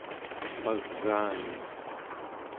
pagaani